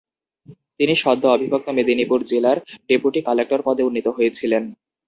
তিনি সদ্য অবিভক্ত মেদিনীপুর জেলার ডেপুটি কালেক্টর পদে উন্নীত হয়েছিলেন।